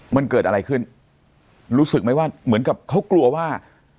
มันเกิดอะไรขึ้นรู้สึกไหมว่าเหมือนกับเขากลัวว่า